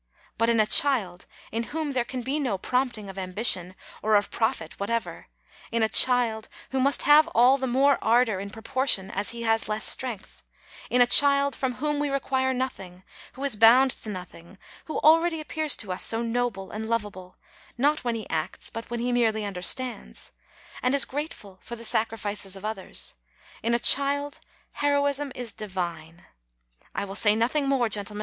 But in a child, in whom there can be no prompting of ambition or of profit whatever; in a child, who must have all the more ardor in proportion as he has less strength; in a child, from whom we re quire nothing, who is bound to nothing, who already appears to us so noble and lovable, not when he acts, but when he merely understands, and is grateful for the sacrifices of others ; in a child, heroism is divine ! I will say nothing more, gentlemen.